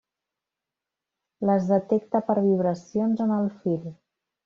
Les detecta per vibracions en el fil.